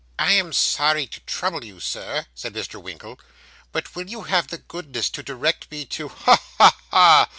'I am sorry to trouble you, Sir,' said Mr. Winkle, 'but will you have the goodness to direct me to ' 'Ha! ha! ha!